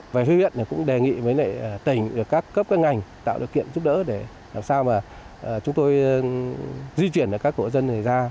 và huyện cũng đề nghị với tỉnh các cấp các ngành tạo điều kiện giúp đỡ để làm sao mà chúng tôi di chuyển các hộ dân ra